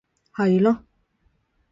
係囉